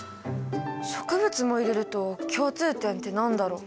植物も入れると共通点って何だろう？